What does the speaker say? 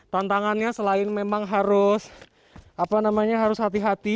tantangannya selain memang harus hati hati